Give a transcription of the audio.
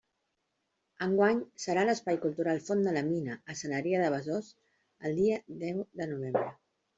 Enguany serà a l'Espai Cultural Font de La Mina a Sant Adrià de Besòs, el dia deu de novembre.